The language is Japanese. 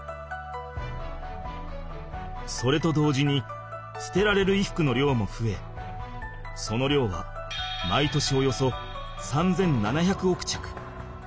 それと同時に捨てられる衣服の量もふえその量は毎年およそ３７００億着。